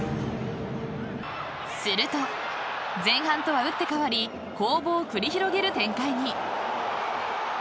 すると前半とは打って変わり攻防を繰り広げる展開に。